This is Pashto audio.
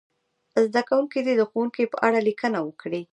زده کوونکي دې د ښوونکي په اړه لیکنه وکړي.